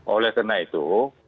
oleh karena itu